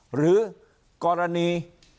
หรือกรณี